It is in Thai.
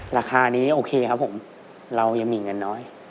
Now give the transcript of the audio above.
ราคานี้โอเคครับผมเรายังมีเงินน้อย